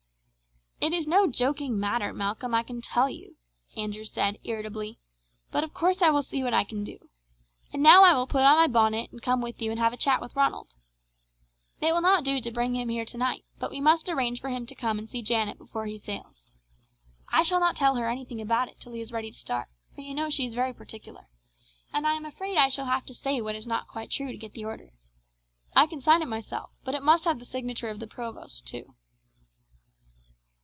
"It is no joking matter, Malcolm, I can tell you," Andrew said irritably; "but of course I will see what I can do. And now I will put on my bonnet and come with you and have a chat with Ronald. It will not do to bring him here tonight, but we must arrange for him to come and see Janet before he sails. I shall not tell her anything about it till he is ready to start, for you know she is very particular, and I am afraid I shall have to say what is not quite true to get the order. I can sign it myself, but it must have the signature of the provost too."